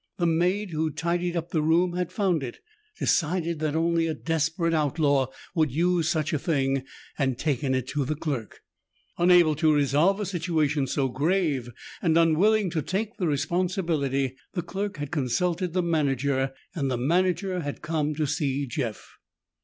The maid who tidied up the room had found it, decided that only a desperate outlaw would use such a thing and taken to it the clerk. Unable to resolve a situation so grave, and unwilling to take the responsibility, the clerk had consulted the manager and the manager had come to see Jeff.